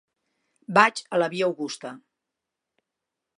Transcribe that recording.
Vaig a la via Augusta.